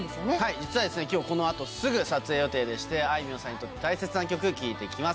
実は、きょうこのあとすぐ、撮影予定でして、あいみょんさんにとって大切な曲、聞いてきます。